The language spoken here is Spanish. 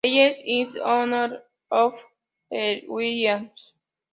Essays in Honor of Ernest E. Williams.